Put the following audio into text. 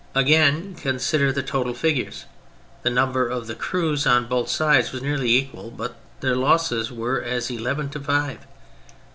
Again, consider the total figures. The number of the crews on both sides was nearly equal, but their losses were as eleven to five.